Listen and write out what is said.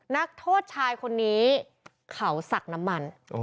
นักโทษชายคนนี้เขาสักน้ำมัน